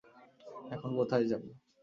এখন কোথায় যাবো?